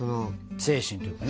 精神というかね。